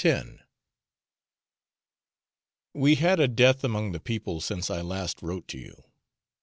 We have had a death among the people since I last wrote to you.